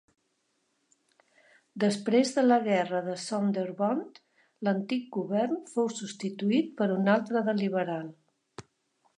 Després de la guerra de Sonderbund, l'antic govern fou substituït per un altre de liberal.